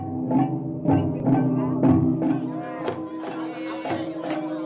seseorang yang berpengalaman untuk menangkap tadan